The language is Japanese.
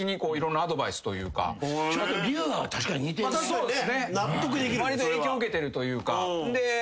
わりと影響受けてるというか。